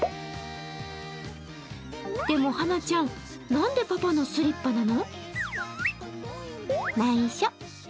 でも、はなちゃんなんで、パパのスリッパなの？